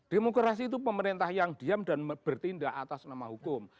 demokrasi itu pemerintah yang diam dan bertindak atas nama hukum